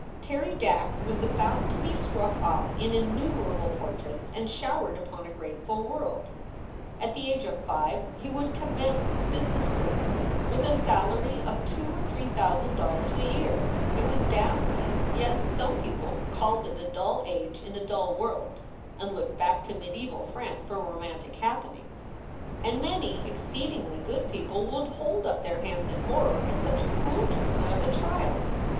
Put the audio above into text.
Terry Dack was about to be struck off in innumerable portraits and showered upon a grateful world. At the age of five he would commence his business career with a salary of two or three thousand dollars a year. It was dazzling, yet some people called it a dull age in a dull world, and looked back to medieval France for roman tic happenings. And many exceedingly good people would hold up their hands in horror at such cruel treatment of a child.